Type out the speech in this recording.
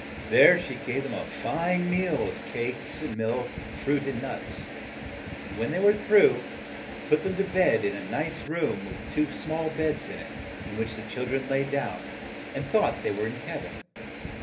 There she gave them a fine meal of milk, cakes, fruit, and nuts ; and when they were through, put them to bed in a nice room with two small beds in it, in which the chil dren lay down and thought they were in heav en.